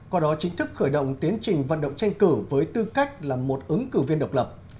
qua đó chính thức khởi động tiến trình vận động tranh cử với tư cách là một ứng cử viên độc lập